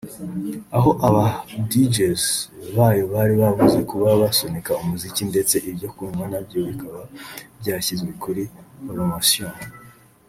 aho aba Djz bayo bari buze kuba basunika umuziki ndetse ibyo kunywa nabyo bikaba byashyizwe kuri poromosiyo